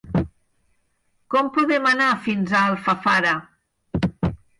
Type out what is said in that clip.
Com podem anar fins a Alfafara?